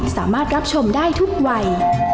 สามารถรับชมได้ทุกวัย